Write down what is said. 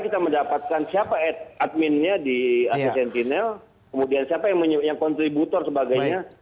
kita mendapatkan siapa adminnya di aset sentinel kemudian siapa yang kontributor sebagainya